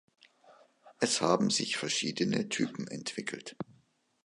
Es haben sich verschiedene Typen entwickelt.